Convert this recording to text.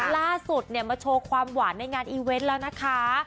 ล่าสุดเนี่ยมาโชว์ความหวานในงานอีเวนต์แล้วนะคะ